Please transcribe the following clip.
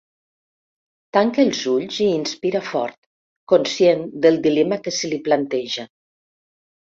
Tanca els ulls i inspira fort, conscient del dilema que se li planteja.